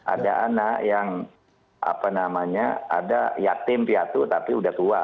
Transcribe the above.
ada anak yang apa namanya ada yatim piatu tapi sudah tua